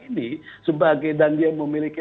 ini sebagai dan dia memiliki